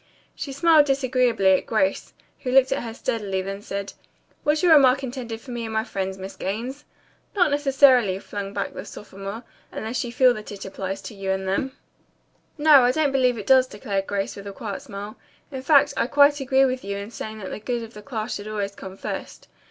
She smiled disagreeably at Grace, who looked at her steadily, then said, "Was your remark intended for me and my friends, Miss Gaines?" "Not necessarily," flung back the sophomore, "unless you feel that it applies to you and to them." "No, I don't believe it does," declared Grace with a quiet smile. "In fact, I quite agree with you in saying that the good of the class should always come first.